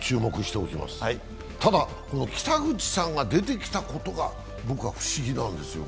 ただ、北口さんが出てきたことが不思議なんですよ。